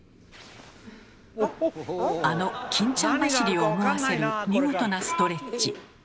あの「欽ちゃん走り」を思わせる見事なストレッチ。